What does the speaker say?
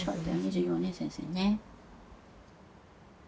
授業ね先生ね。